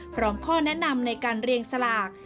พร้อมข้อแนะนำในการเรียงสลาก